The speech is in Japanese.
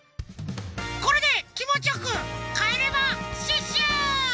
これできもちよくかえれまシュッシュ！